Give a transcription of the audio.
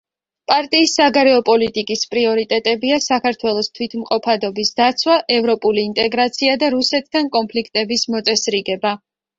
პარტიის საგარეო პოლიტიკის პრიორიტეტებია საქართველოს თვითმყოფადობის დაცვა, ევროპული ინტეგრაცია და რუსეთთან კონფლიქტების მოწესრიგება.